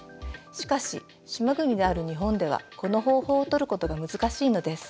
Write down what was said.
しかし島国である日本ではこの方法を取ることが難しいのです。